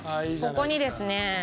ここにですね